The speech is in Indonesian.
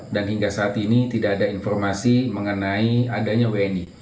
dan hingga saat ini tidak ada informasi mengenai adanya wni